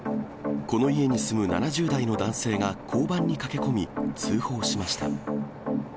この家に住む７０代の男性が交番に駆け込み、通報しました。